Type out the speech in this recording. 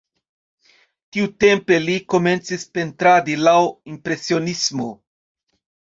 Tiutempe li komencis pentradi laŭ impresionismo.